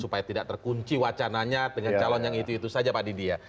supaya tidak terkunci wacananya dengan calon yang itu itu saja pak didi ya